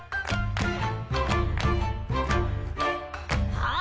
「はあ」